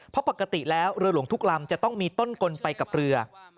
เพราะปกติแล้วเรือหลวงทุกลำจะต้องมีต้นกลไปกับเรือ